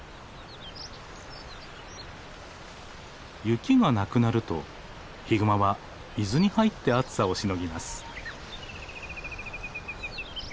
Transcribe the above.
雪がなくなるとヒグマは水に入って暑さをしのぎます。